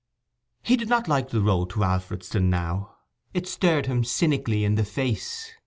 He did not like the road to Alfredston now. It stared him cynically in the face.